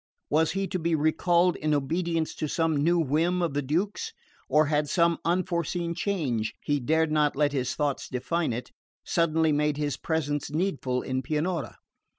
Was he to be recalled in obedience to some new whim of the Duke's? Or had some unforeseen change he dared not let his thoughts define it suddenly made his presence needful in Pianura?